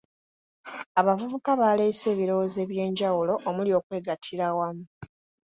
Abavubuka baleese ebirowoozo eby'enjawulo omuli okwegattira awamu.